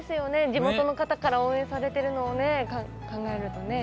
地元の方から応援されているのを考えるとね。